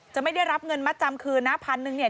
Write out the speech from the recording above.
ไม่ได้รับเงินมัดจำคืนนะพันหนึ่งเนี่ย